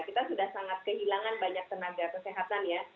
kita sudah sangat kehilangan banyak tenaga kesehatan ya